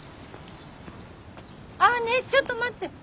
あねえちょっと待って。